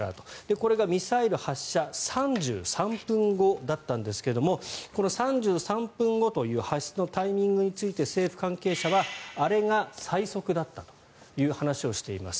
これがミサイル発射３３分後だったんですがこの３３分後という発出のタイミングについて政府関係者はあれが最速だったという話をしています。